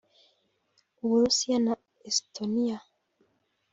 u Burusiya na Estonia